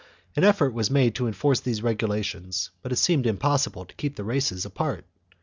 1 An effort was made to enforce these regulations, but it seemed impossible to keep the races apart.